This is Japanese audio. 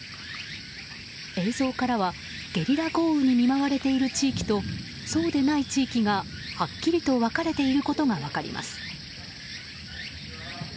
映像からはゲリラ豪雨に見舞われている地域とそうでない地域がはっきりと分かれていることが分かります。